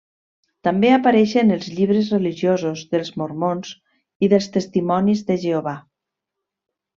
També apareixen els llibres religiosos dels mormons i dels testimonis de Jehovà.